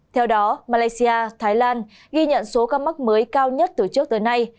theo đó malaysia thái lan ghi nhận số ca mắc mới cao nhất từ trước tới nay